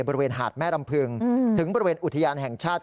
บริเวณหาดแม่รำพึงถึงบริเวณอุทยานแห่งชาติ